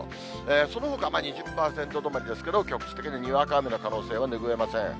そのほか２０％止まりですけど、局地的ににわか雨の可能性は拭えません。